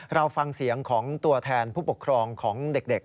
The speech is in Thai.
เราฟังเสียงของตัวแทนผู้ปกครองของเด็ก